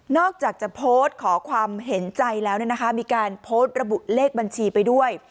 อกจากจะโพสต์ขอความเห็นใจแล้วมีการโพสต์ระบุเลขบัญชีไปด้วย